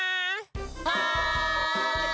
はい！